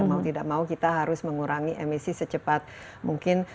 mau tidak mau kita harus mengurangi emisi secepat mungkin